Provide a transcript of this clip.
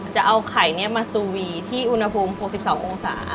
จะเอาไข่มาสูวีที่อุณหภูมิ๖๒องศา